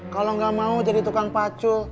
kalo gak mau jadi tukang pacul